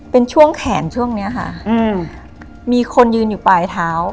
เป็นช่วงแขนช่วงเนี้ยค่ะอืมมีคนยืนอยู่ปลายเท้า